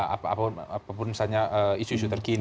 apapun misalnya isu isu terkini